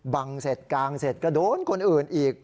บังเสร็จกางเสร็จก็โดนคนอื่นอีก